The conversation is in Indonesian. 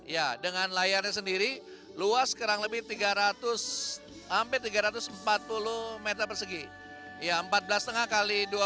ya dengan layarnya sendiri luas kurang lebih tiga ratus sampai tiga ratus empat puluh meter persegi